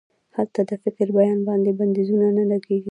هلته د فکر په بیان باندې بندیزونه نه لګیږي.